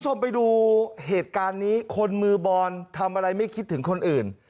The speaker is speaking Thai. คุณผู้ชมไปดูเหตุการณ์นี้คนมือบอลทำอะไรไม่คิดถึงคนอื่น